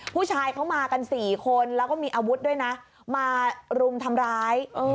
ผู้ชายเขามากัน๔คนแล้วก็มีอาวุธด้วยนะมารุมทำร้าย